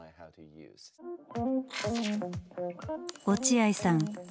落合さん